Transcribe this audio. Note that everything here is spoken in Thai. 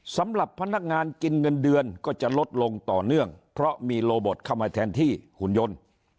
สำหรับพนักงานกินเงินเดือนก็จะลดลงต่อเนื่องเพราะมีโลบอทเข้ามาแทนที่หุ่นยนต์